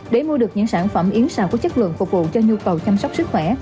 để mua được những sản phẩm yến xào có chất lượng phục vụ cho nhu cầu chăm sóc sức khỏe